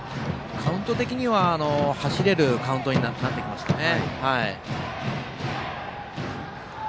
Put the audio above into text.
カウント的には走れるカウントになってきましたね。